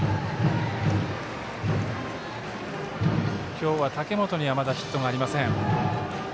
今日は武元にはまだヒットがありません。